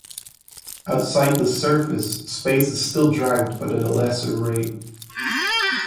Outside this surface, space is still dragged but at a lesser rate.